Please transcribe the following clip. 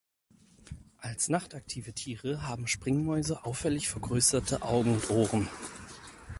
Als nachtaktive Tiere haben Springmäuse auffällig vergrößerte Augen und Ohren.